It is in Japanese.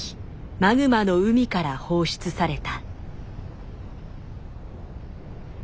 マグマの海から放出された。